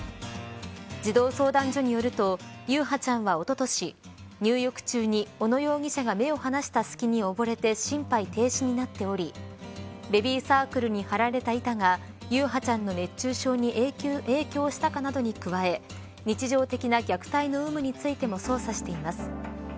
児童相談所によると優陽ちゃんは、おととし入浴中に小野容疑者が目を離した隙に溺れて心肺停止になっておりベビーサークルに張られた板が優陽ちゃんの熱中症に影響したかなどに加え日常的な虐待の有無についても捜査しています。